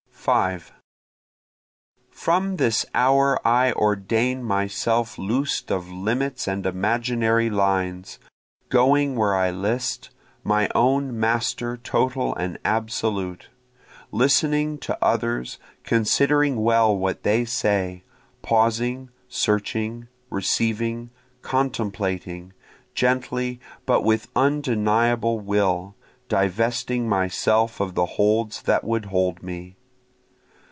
5 From this hour I ordain myself loos'd of limits and imaginary lines, Going where I list, my own master total and absolute, Listening to others, considering well what they say, Pausing, searching, receiving, contemplating, Gently, but with undeniable will, divesting myself of the holds that would hold me.